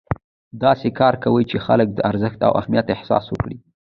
داسې کار کوئ چې خلک د ارزښت او اهمیت احساس وکړي.